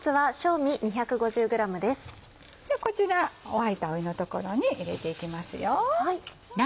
ではこちら沸いた湯の所に入れていきますよ。